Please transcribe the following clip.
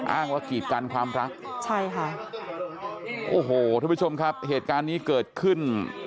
อ้างว่ากีดกันความรักใช่ค่ะโอ้โหทุกผู้ชมครับเหตุการณ์นี้เกิดขึ้น